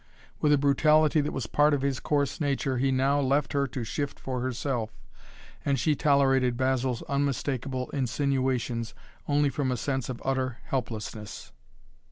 With a brutality that was part of his coarse nature he now left her to shift for herself, and she tolerated Basil's unmistakable insinuations only from a sense of utter helplessness.